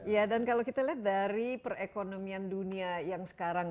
ya dan kalau kita lihat dari perekonomian dunia yang sekarang